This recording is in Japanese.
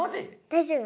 ⁉大丈夫。